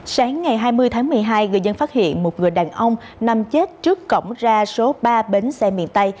sáng ngày hai mươi tháng một mươi hai người dân phát hiện một người đàn ông nằm chết trước cổng ra số ba bến xe miền tây